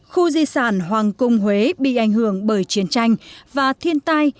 khu di sản hoàng cung huế bị ảnh hưởng bởi chiến tranh và thiên tai